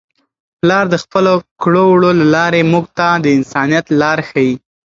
پلار د خپلو کړو وړو له لارې موږ ته د انسانیت لار ښيي.